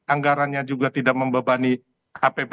anggarannya juga tidak membebani apb